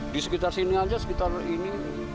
di sekitar sini aja sekitar ini